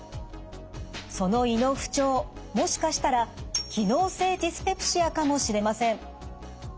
その胃の不調もしかしたら機能性ディスペプシアかもしれません。